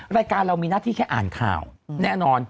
รายการเรามีหน้าที่แค่อ่านข่าวแน่นอน